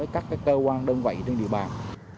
các cơ quan đơn vị trên địa bàn